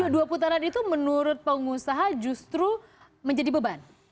dua putaran itu menurut pengusaha justru menjadi beban